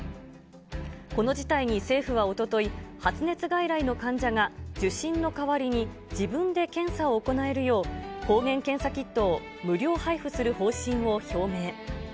この事態に政府はおととい、発熱外来の患者が受診の代わりに自分で検査を行えるよう、抗原検査キットを無料配布する方針を表明。